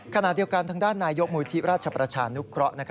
ขณะเดียวกันทางด้านนายยกมูลที่ราชประชานุเคราะห์